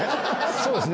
そうですね